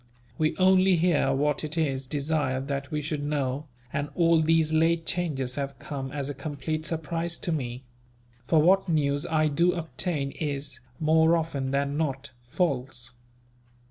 We only hear what it is desired that we should know, and all these late changes have come as a complete surprise to me; for what news I do obtain is, more often than not, false.